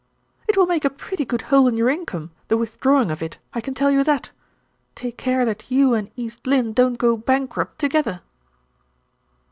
"It will make a pretty good hole in your income, the withdrawing of it, I can tell you that. Take care that you and East Lynne don't go bankrupt together."